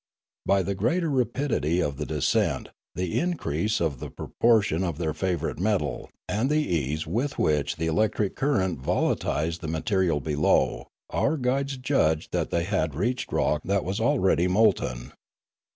By the greater rapidity of the descent, the increase of the proportion of their favourite metal, and the ease with which the electric current volatilised the material below, our guides judged that they had reached rock that was already molten.